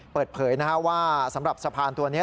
เปิดเผยว่าสำหรับสะพานตัวนี้